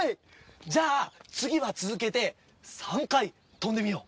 じゃあ次は続けて３回とんでみよう。